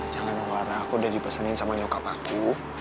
jangan ya clara aku udah dipesenin sama nyokap aku